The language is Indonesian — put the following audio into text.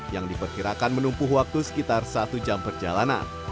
yang diperkirakan menumpuh waktu sekitar satu jam perjalanan